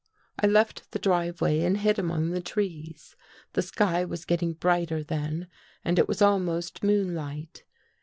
I left the driveway and hid among the trees. The sky was getting brighter then and it was almost moonlight.